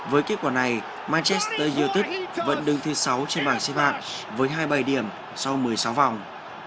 với kết quả này manchester united vẫn đứng thứ sáu trên bảng xếp hạng với hai bài điểm sau một mươi sáu vòng